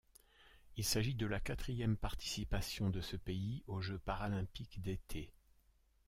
Il s'agit de la quatrième participation de ce pays aux Jeux paralympiques d'été.